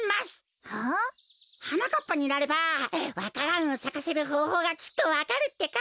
はなかっぱになればわか蘭をさかせるほうほうがきっとわかるってか。